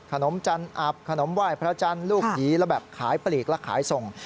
จันอับขนมไหว้พระจันทร์ลูกผีแล้วแบบขายปลีกและขายส่ง